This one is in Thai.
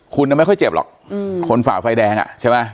คุณไม่ค่อยเจ็บหรอกคนฝ่าไฟแดงอ่ะใช่ไหม